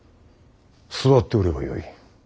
座っておればよい。